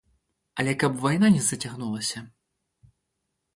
Але каб вайна не зацягнулася.